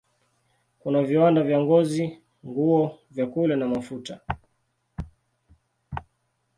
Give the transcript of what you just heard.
Kuna viwanda vya ngozi, nguo, vyakula na mafuta.